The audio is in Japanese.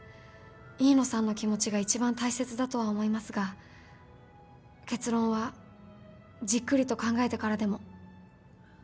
飯野さんの気持ちがいちばん大切だとは思いますが結論はじっくりと考えてからでも。